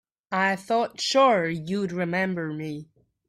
I thought sure you'd remember me.